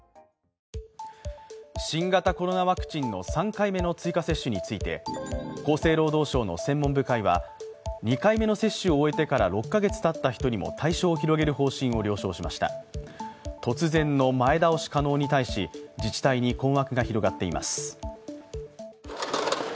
新型コロナワクチンの３回目の追加接種について、厚生労働省の専門部会は２回目の接種を終えてから６カ月立った人にも対象を広げる方針を了承しました突然の前倒し可能に対し、自治体に困惑が広がっています。